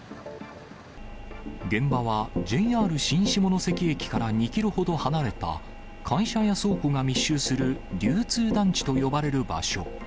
現場は、ＪＲ新下関駅から２キロほど離れた、会社や倉庫が密集する流通団地と呼ばれる場所。